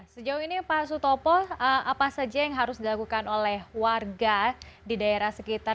sejauh ini pak sutopo apa saja yang harus dilakukan oleh warga di daerah sekitar